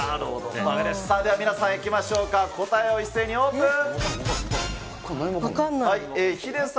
それでは皆さんいきましょうか、答えを一斉にオープン。